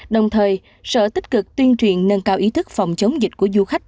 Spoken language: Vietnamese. đồng thời sở tích cực tuyên truyền nâng cao ý thức phòng chống dịch của du khách